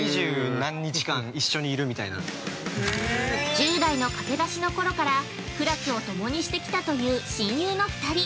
◆１０代の駆け出しのころから苦楽を共にしてきたという親友の２人。